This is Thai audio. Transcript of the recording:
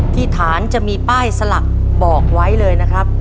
ที่ฐานจะมีป้ายสลักบอกไว้เลยนะครับ